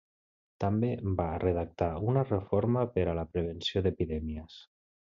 També va redactar una reforma per a la prevenció d'epidèmies.